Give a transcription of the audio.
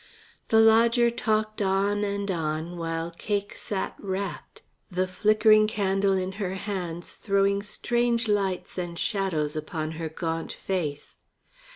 The lodger talked on and on while Cake sat rapt, the flickering candle in her hands throwing strange lights and shadows upon her gaunt face.